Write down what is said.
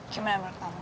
gimana menurut kamu